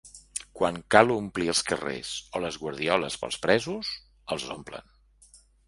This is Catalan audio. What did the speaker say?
Quan cal omplir els carrers o les guardioles pels presos, els omplen.